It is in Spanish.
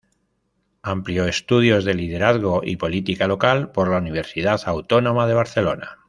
Amplió estudios de Liderazgo y Política Local por la Universidad Autónoma de Barcelona.